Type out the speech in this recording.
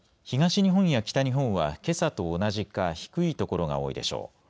東日本や北日本はけさと同じか低い所が多いでしょう。